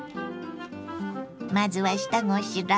まずは下ごしらえ。